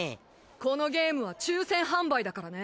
このゲームは抽選販売だからね。